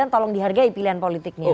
tolong dihargai pilihan politiknya